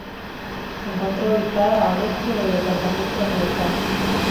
Se encuentra ubicada al este del departamento Río Cuarto.